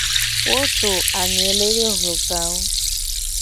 Wo so anyele be hlokawo.